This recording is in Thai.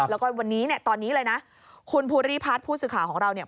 แล้วก็วันนี้เนี่ยตอนนี้เลยนะคุณภูริพัฒน์ผู้สื่อข่าวของเราเนี่ย